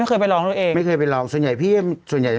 ไม่ใช่มะก็บอกว่าให้ไปกัน